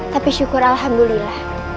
tapi syukur alhamdulillah